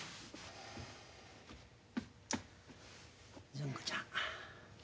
純子ちゃん。